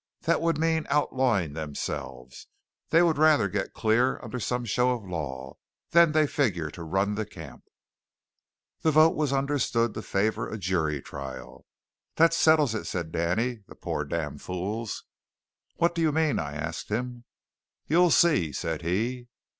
"That would mean outlawing themselves. They would rather get clear under some show of law. Then they figure to run the camp." The vote was understood to favour a jury trial. "That settles it," said Danny; "the poor damn fools." "What do you mean?" I asked him. "You'll see," said he.